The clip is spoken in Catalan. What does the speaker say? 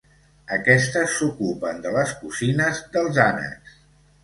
Aquestes s'ocupen de les cosines dels ànecs.